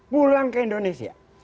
pulang ke indonesia